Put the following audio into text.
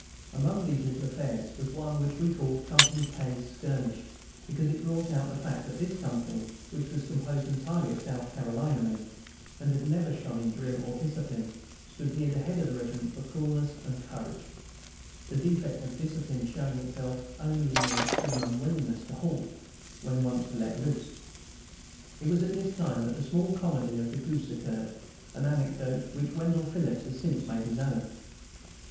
Among these little affairs was one which we called "Company K's Skirmish," because it brought out the fact that this company, which was composed entirely of South Carolina men, and had never shone in drill or discipline, stood near the head of the regiment for coolness and courage, the defect of discipline showing itself only in their extreme unwillingness to halt when once let loose. It was at this time that the small comedy of the Goose occurred, an anecdote which Wendell Phillips has since made his own.